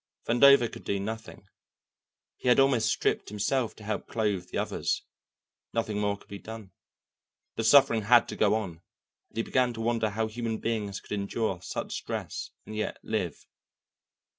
Vandover could do nothing; he had almost stripped himself to help clothe the others. Nothing more could be done. The suffering had to go on, and he began to wonder how human beings could endure such stress and yet live.